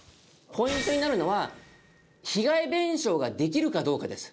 ポイントになるのは被害弁償ができるかどうかです。